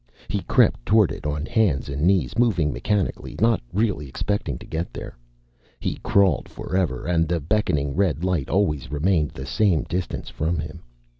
He crept toward it on hands and knees, moving mechanically, not really expecting to get there. He crawled forever, and the beckoning red light always remained the same distance from him.